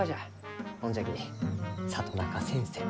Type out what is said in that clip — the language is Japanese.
ほんじゃき里中先生